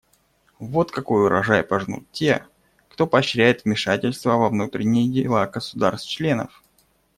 Вот какой урожай пожнут те, кто поощряет вмешательство во внутренние дела государств-членов.